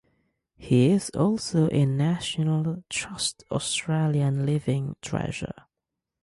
He is also a National Trust Australian Living Treasure.